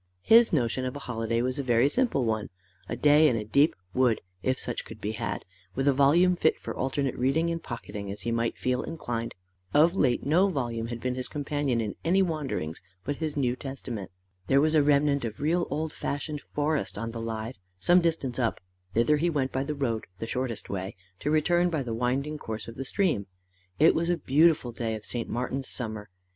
His notion of a holiday was a very simple one: a day in a deep wood, if such could be had, with a volume fit for alternate reading and pocketing as he might feel inclined. Of late no volume had been his companion in any wanderings but his New Testament. There was a remnant of real old fashioned forest on the Lythe, some distance up: thither he went by the road, the shortest way, to return by the winding course of the stream. It was a beautiful day of St. Martin's summer.